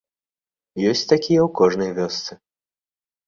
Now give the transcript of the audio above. Ёсць такія ў кожнай вёсцы.